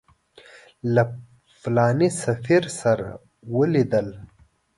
له فلاني سفیر سره ولیدل.